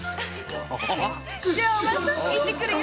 じゃあお前さん行ってくるよ。